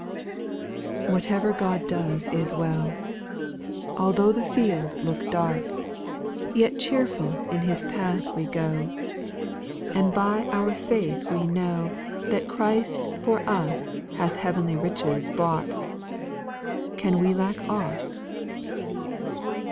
n. Whatever God does is well ! Altho' the field look dark, Yet cheerful in His path we go ; And by our faith we know IY6 SPIRITUAL SONGS. That Christ for us hath heavenly riches bought. — Can we lack aught